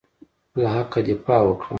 له حقه دفاع وکړه.